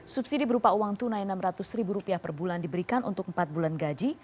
subsidi berupa uang tunai rp enam ratus per bulan diberikan untuk empat bulan gaji